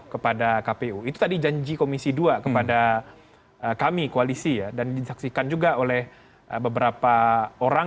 kepada kpu itu tadi janji komisi dua kepada kami koalisi ya dan disaksikan juga oleh beberapa orang